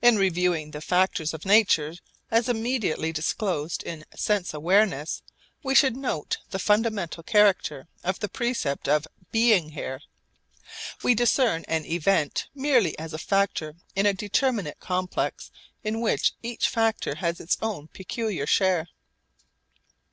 In reviewing the factors of nature as immediately disclosed in sense awareness, we should note the fundamental character of the percept of 'being here.' We discern an event merely as a factor in a determinate complex in which each factor has its own peculiar share.